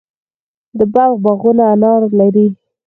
د بلخ باغونه انار لري.